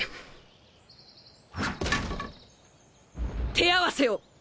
手合わせを。